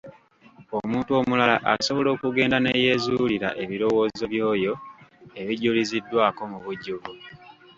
Omuntu omulala asobola okugenda ne yeezuulira ebirowoozo by'oyo ebijuliziddwako mu bujjuvu.